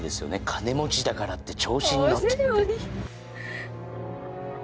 「金持ちだからって調子に乗って」